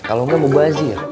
kalau nggak mau bazir